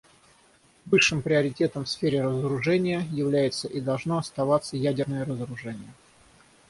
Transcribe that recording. Высшим приоритетом в сфере разоружения является и должно оставаться ядерное разоружение.